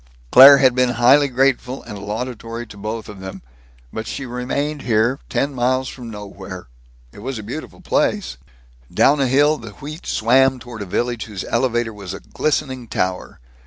Claire had been highly grateful and laudatory to both of them but she remained here, ten miles from nowhere. It was a beautiful place. Down a hill the wheat swam toward a village whose elevator was a glistening tower.